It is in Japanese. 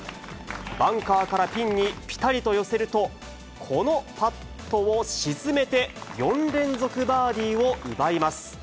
バンカーからピンにぴたりと寄せると、このパットを沈めて、４連続バーディーを奪います。